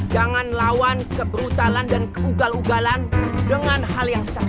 jangan lawan kebrutalan dan keugal ugalan dengan hal yang sama